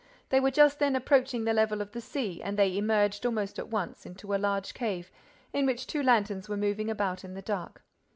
They were just then approaching the level of the sea and they emerged, almost at once, into a large cave into which two lanterns were moving about in the dark.